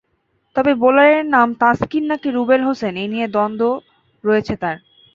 তবে বোলারের নাম তাসকিন নাকি রুবেল হোসেন—এই নিয়ে ধন্দ রয়েছে তাঁর।